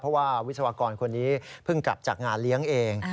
เพราะว่าวิศวกรคนนี้เพิ่งกลับจากงานเลี้ยงเอง